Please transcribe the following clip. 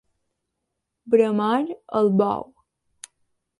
Bramar el bou.